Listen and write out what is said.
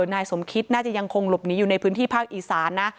นายสมคิตน่าจะยังคงหลบหนีอยู่ในพื้นที่ภาคอีสานนะ